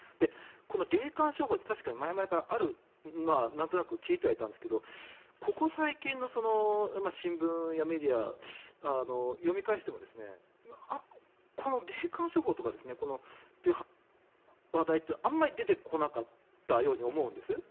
この霊感商法って確かに前々からあるのはなんとなく聞いてはいたんですけどここ最近の新聞やメディアを読み返してもこの霊感商法とかの話題ってあんまり出てこなかったように思うんです。